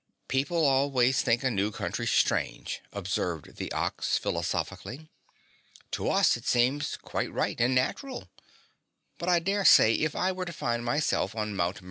"People always think a new country strange!" observed the Ox philosophically. "To us it seems quite right and natural. But I daresay if I were to find myself on Mt.